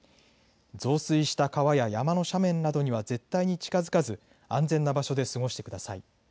増水した川や山の斜面などには絶対に近づかず安全な場所で過ごしてください。